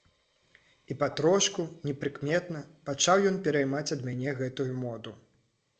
І патрошку, непрыкметна, пачаў ён пераймаць ад мяне гэтую моду.